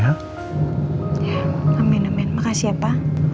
ya amin amin makasih ya pak